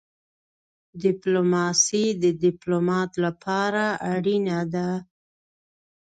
ډيپلوماسي د ډيپلومات لپاره اړینه ده.